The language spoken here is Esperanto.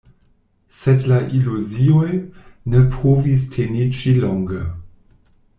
Sed la iluzioj ne povis teniĝi longe.